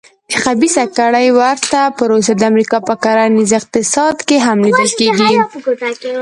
د خبیثه کړۍ ورته پروسه د امریکا په کرنیز اقتصاد کې هم لیدل کېږي.